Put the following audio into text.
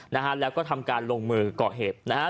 นะฮะแล้วก็ทำการลงมือก่อเหตุนะฮะ